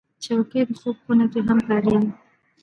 چوکۍ د خوب خونه کې هم کارېږي.